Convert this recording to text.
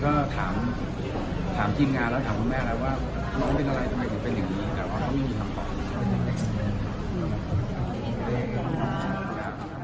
ไม่รู้ว่ามีอะไรทำไมจะเป็นอย่างนี้แต่ว่าเขามีคำตอบที่จะเป็นอีกสิ่งหนึ่ง